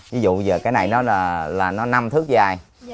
ví dụ bây giờ cái này nó là năm thước dài